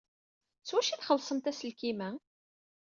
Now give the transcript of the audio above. S wacu ay txellṣemt aselkim-a?